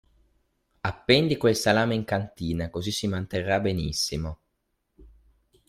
Appendi quel salame in cantina, così si manterrà benissimo.